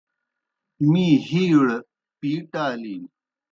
می ہِیڑ پِیٹ آلِن۔